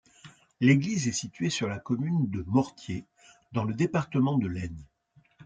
L'église est située sur la commune de Mortiers, dans le département de l'Aisne.